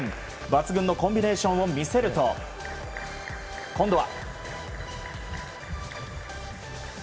抜群のコンビネーションを見せると今度は。